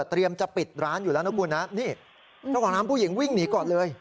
จะปิดร้านอยู่แล้วนะคุณนะนี่เจ้าของร้านผู้หญิงวิ่งหนีก่อนเลย